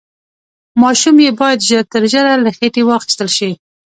ماشوم يې بايد ژر تر ژره له خېټې واخيستل شي.